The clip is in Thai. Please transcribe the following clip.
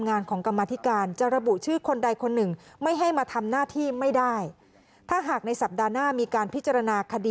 ในการจัดทดภัยและต่างที่มาคนไหนที่ยอมจัดการ